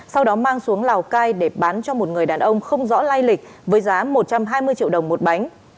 sau đó mang xuống lào cai để bán cho một người đàn ông không rõ lai lịch với giá một trăm hai mươi triệu đồng một bánh